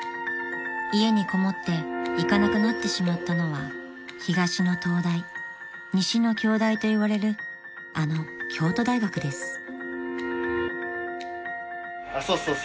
［家にこもって行かなくなってしまったのは東の東大西の京大といわれるあの京都大学です］